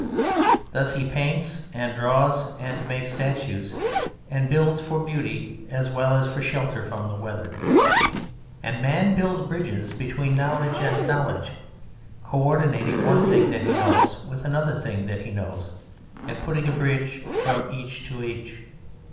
Thus he paints and draws and makes statues, and builds for beauty as well as for shelter from the weather. And man builds bridges between knowledge and knowledge, co ordinating one thing that he knows with another thing that he knows, and putting a bridge from each to each.